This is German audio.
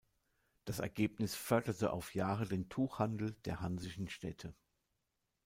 Das Ergebnis förderte auf Jahre den Tuchhandel der hansischen Städte.